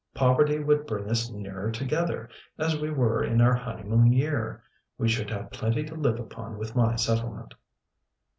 Poverty would bring us nearer together as we were in our honeymoon year. We should have plenty to live upon with my settlement."